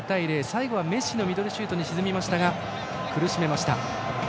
最後はメッシのミドルシュートに沈みましたが苦しめました。